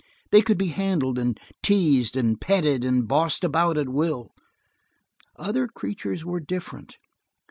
They could be handled, and teased, and petted and bossed about at will. Other creatures were different.